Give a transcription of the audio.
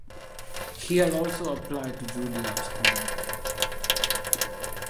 He had also applied to Juilliard School.